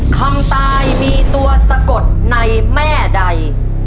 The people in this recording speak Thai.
คำตายมีตัวสะกดในแม่ใด